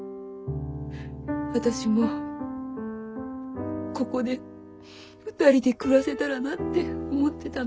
私もここで２人で暮らせたらなって思ってたの。